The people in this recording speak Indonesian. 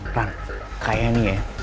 ran kayak nih ya